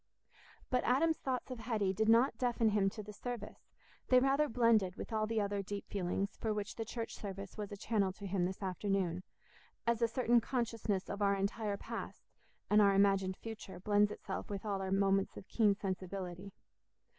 But Adam's thoughts of Hetty did not deafen him to the service; they rather blended with all the other deep feelings for which the church service was a channel to him this afternoon, as a certain consciousness of our entire past and our imagined future blends itself with all our moments of keen sensibility.